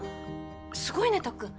すごいねたっくん。